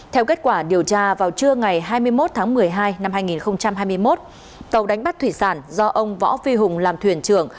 theo kết quả điều tra vào trưa ngày hai mươi một tháng một mươi hai năm hai nghìn hai mươi một tàu đánh bắt thủy sản do ông võ phi hùng làm thuyền trưởng